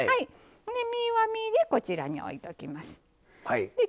身は身でこちらに置いておきます。